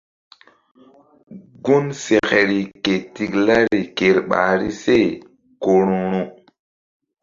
Gun sekeri ke tiklari ker ɓahri se ku ru̧ru̧.